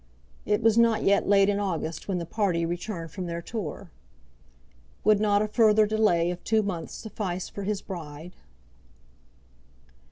It was not yet late in August when the party returned from their tour. Would not a further delay of two months suffice for his bride?